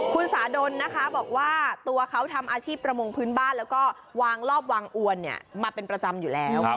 คุณสาดนนะคะบอกว่าตัวเขาทำอาชีพประมงพื้นบ้านแล้วก็วางรอบวางอวนมาเป็นประจำอยู่แล้ว